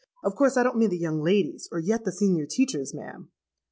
Of course I don't mean the young ladies; or yet the senior teachers, ma'am.'